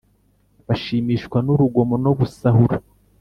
bashimishwa n’urugomo no gusahura.»